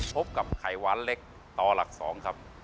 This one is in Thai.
พบกับไข่หวานเล็กต่อหลัก๒ครับ